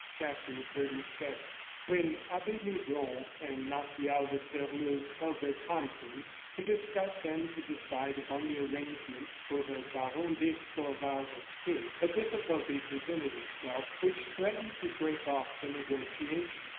CHAPTER XXXVII When Abbe Midon and Martial de Sairmeuse held their conference, to discuss and to decide upon the arrangements for the Baron d'Escorval's escape, a difficulty presented itself which threatened to break off the negotiation.